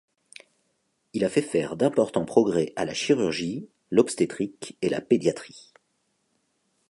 Il a fait faire d'importants progrès à la chirurgie, l'obstétrique et la pédiatrie.